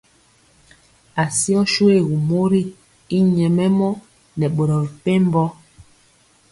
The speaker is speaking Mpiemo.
Asió shuégu mori y nyɛmemɔ nɛ boro mepempɔ.